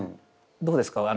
どうですか？